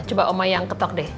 coba oma yang ketok deh